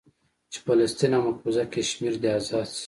چې فلسطين او مقبوضه کشمير دې ازاد سي.